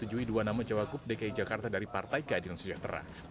menyetujui dua nama cawagup dki jakarta dari partai keadilan sejahtera